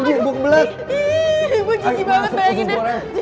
gue jijik banget kayak gini